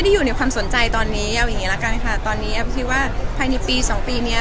แบบใจเราอยากได้แบบไหนหรือว่ายังไงก็ได้